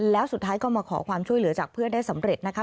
แล้วสุดท้ายก็มาขอความช่วยเหลือจากเพื่อนได้สำเร็จนะคะ